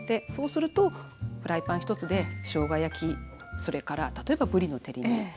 そうするとフライパン１つでしょうが焼きそれから例えばぶりの照り煮。